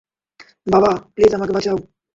বাবা, প্লিজ আমাকে বাঁচাও!